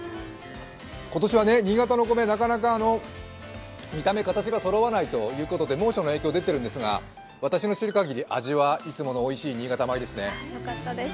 今年は新潟のお米、なかなか見た目形がそろわないということで猛暑の影響、出てるんですが私の知るかぎり味はいつものおいしい新潟米ですね。